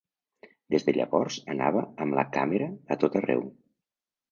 Des de llavors anava amb la càmera a tot arreu.